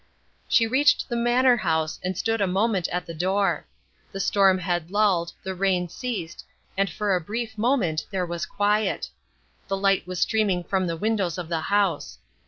She reached the manor house, and stood a moment at the door. The storm had lulled, the rain ceased, and for a brief moment there was quiet. The light was streaming from the windows of the house.